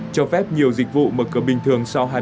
cho phép nhiều dịch vụ mở cửa bình thường sau hai mươi một giờ